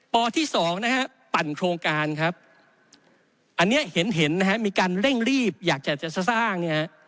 ที่สองนะฮะปั่นโครงการครับอันนี้เห็นนะฮะมีการเร่งรีบอยากจะสร้างเนี่ยฮะ